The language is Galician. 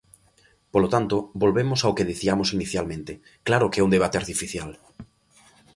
Polo tanto, volvemos ao que diciamos inicialmente, ¡claro que é un debate artificial!